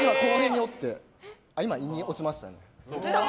今、胃に落ちましたね。